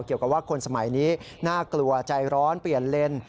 เกี่ยวกับว่าคนสมัยนี้น่ากลัวใจร้อนเปลี่ยนเลน